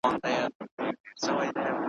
مینه د رنګین بیرغ دي غواړمه په زړه کي `